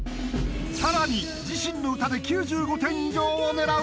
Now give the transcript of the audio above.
さらに自身の歌で９５点以上を狙う